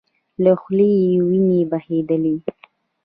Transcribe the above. له خولې يې وينې بهيدلې.